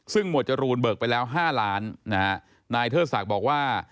ซึ่งหมวดจรูนเบิกไปแล้ว๕ล้านนะฮะนายเทิดศักดิ์บอกว่า